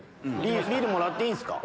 ビールもらっていいんすか？